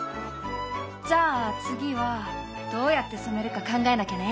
じゃあ次はどうやって染めるか考えなきゃね。